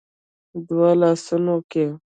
دوو لاسونو کې